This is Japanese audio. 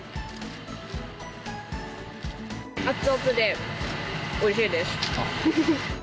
熱々でおいしいです。